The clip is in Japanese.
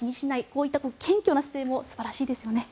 こういった謙虚な姿勢も素晴らしいですよね。